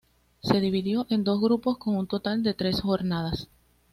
Se dividió en dos grupos con un total de tres jornadas.